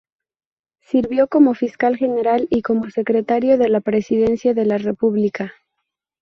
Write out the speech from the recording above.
Sirvió como fiscal general y como secretario de la Presidencia de la República.